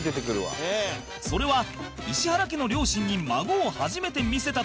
それは石原家の両親に孫を初めて見せた時の事